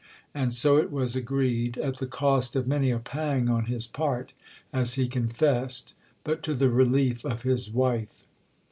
And so it was agreed; at the cost of many a pang on his part, as he confessed, but to the relief of his wife.